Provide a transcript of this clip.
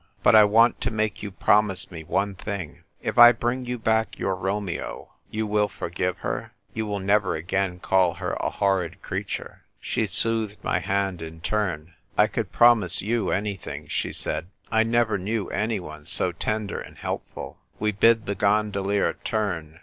But I want to make you promise me one thing — if I bring you back your Romeo, you will forgive her ?— you will never again call her a horrid creature ?" She soothed my hand in turn. " I could promise you anything," she said. "I never knew anyone so tender and helpful." We bid the gondolier turn.